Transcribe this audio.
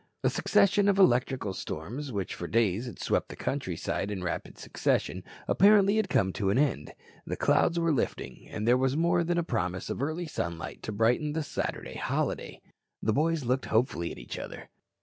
A succession of electrical storms which for days had swept the countryside in rapid succession apparently had come to an end. The clouds were lifting, and there was more than a promise of early sunlight to brighten the Saturday holiday. The boys looked hopefully at each other.